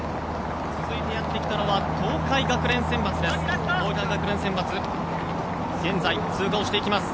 続いてやってきたのは東海学連選抜です。